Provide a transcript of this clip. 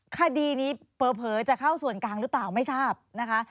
คดีนี้เผลอจะเข้าส่วนกลางหรือเปล่าไม่ทราบนะคะ